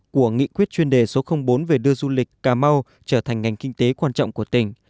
của nghị quyết chuyên đề số bốn về đưa du lịch cà mau trở thành ngành kinh tế quan trọng của tỉnh